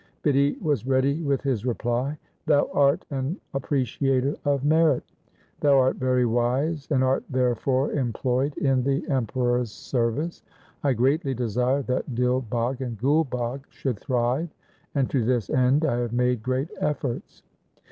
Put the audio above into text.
Bidhi was ready with his reply, ' Thou art an appre ciator of merit. Thou art very wise, and art there fore employed in the Emperor's service. I greatly desire that Dil Bagh and Gul Bagh should thrive, and to this end I have made great efforts.